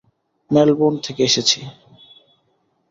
Melbourne থেকে এসেছি।